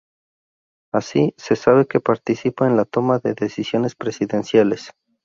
Así, se sabe que participa en la toma de decisiones presidenciales.